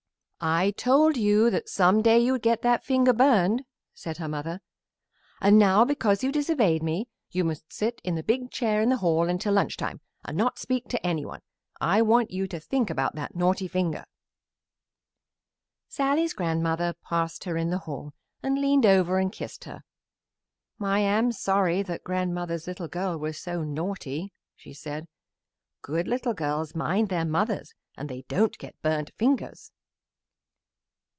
"I told you that some day you would get that finger burned," said her mother, "and now because you disobeyed me you must sit in the big chair in the hall until lunch time and not speak to anyone. I want you to think about that naughty finger." Sallie's grandmother passed her in the hall and leaned over and kissed her. "I am sorry that grandmother's little girl was so naughty," she said. "Good little girls mind their mothers and they don't get burnt fingers."